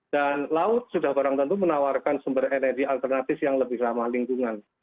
dan laut sudah barang tentu menawarkan sumber energi alternatif yang lebih ramah lingkungan